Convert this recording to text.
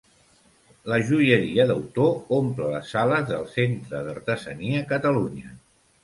La joieria d'autor omple les sales del Centre d'Artesania Catalunya.